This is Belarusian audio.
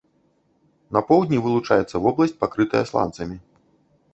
На поўдні вылучаецца вобласць, пакрытая сланцамі.